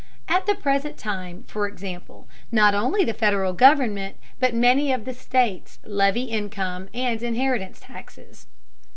At the present time, for example, not only the Federal government, but many of the states levy income and inheritance taxes.